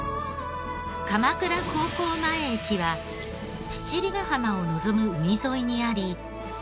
鎌倉高校前駅は七里ヶ浜を望む海沿いにあり。